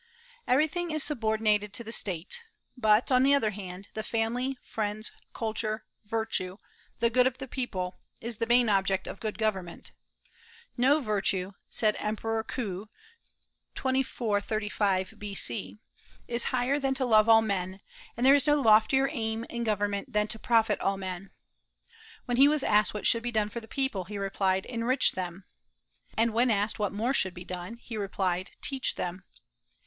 Everything is subordinated to the State; but, on the other hand, the family, friends, culture, virtue, the good of the people, is the main object of good government. "No virtue," said Emperor Kuh, 2435 B.C., "is higher than love to all men, and there is no loftier aim in government than to profit all men." When he was asked what should be done for the people, he replied, "Enrich them;" and when asked what more should be done, he replied, "Teach them."